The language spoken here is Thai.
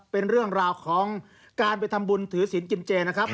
เป็นเรื่องราวของการไปทำบุญถือศิลปกินเจนะครับ